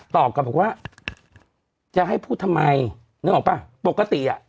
ก็บอกว่าจะให้พูดทำไมนึกออกป่ะปกติอ่ะ